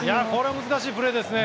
難しいプレーですね。